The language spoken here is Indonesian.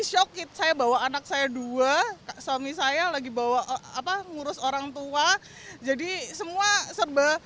syokit saya bawa anak saya dua kak sangi saya lagi bawa apa ngurus orang tua jadi semua serba